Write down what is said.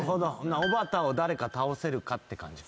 おばたを誰か倒せるかって感じか。